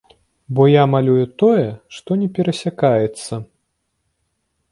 Бо я малюю тое, што не перасякаецца.